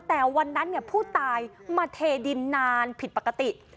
แต่วันนั้นผู้ตายมาเทดินนานผิดปกติ